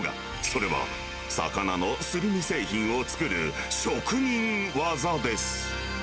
それは、魚のすり身製品を作る、職人技です。